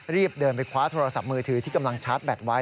รีบเดินไปคว้าโทรศัพท์มือถือที่กำลังชาร์จแบตไว้